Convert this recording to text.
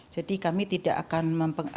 jadi kami tidak akan mempengaruhi